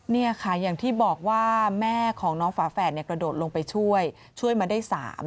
นี่ค่ะอย่างที่บอกว่าแม่ของน้องฝาแฝดกระโดดลงไปช่วยช่วยมาได้๓